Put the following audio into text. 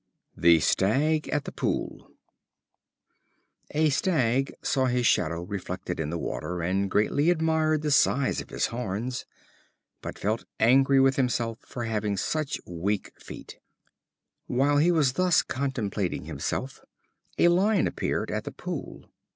The Stag at the Pool. A stag saw his shadow reflected in the water, and greatly admired the size of his horns, but felt angry with himself for having such weak feet. While he was thus contemplating himself, a Lion appeared at the pool.